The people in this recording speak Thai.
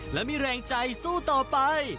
และมีแรงใจสู้ต่อไป